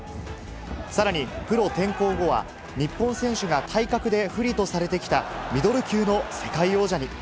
さらにプロ転向後は、日本選手が体格で不利とされてきたミドル級の世界王者に。